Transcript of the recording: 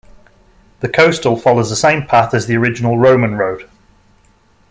The coastal follows the same path as the original Roman road.